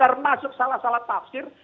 termasuk salah salah tafsir